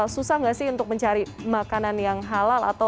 susah nggak sih untuk mencari makanan yang halal